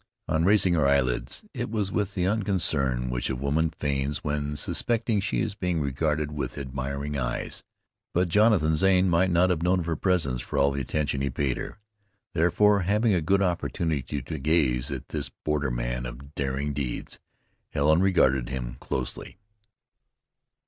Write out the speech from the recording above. On raising her eyelids, it was with the unconcern which a woman feigns when suspecting she is being regarded with admiring eyes. But Jonathan Zane might not have known of her presence, for all the attention he paid her. Therefore, having a good opportunity to gaze at this borderman of daring deeds, Helen regarded him closely.